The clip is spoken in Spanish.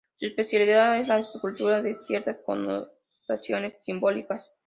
Su especialidad es la escultura con ciertas connotaciones simbólicas.